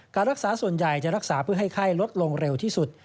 การรักษาส่วนใหญ่จะรักษาเพื่อให้ไข้ลดลงเร็วที่สุด